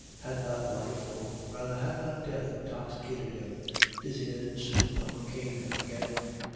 Had not life, or rather had not death, intoxicated him? Dizziness soon overcame him again.